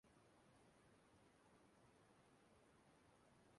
Ichi